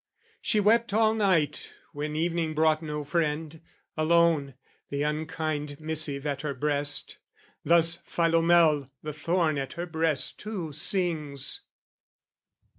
"She wept all night when evening brought no friend, "Alone, the unkind missive at her breast; "Thus Philomel, the thorn at her breast too, "Sings"..."